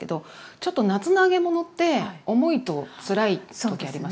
ちょっと夏の揚げ物って重いとつらい時ありません？